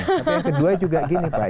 tapi yang kedua juga gini pak